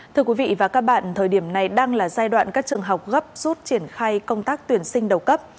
thưa quý vị và các bạn thời điểm này đang là giai đoạn các trường học gấp rút triển khai công tác tuyển sinh đầu cấp